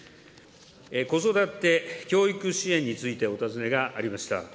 子育て・教育支援についてお尋ねがありました。